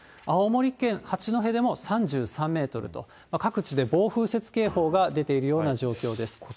青森県八戸でも３３メートルと、各地で暴風雪警報が出ているような状況です。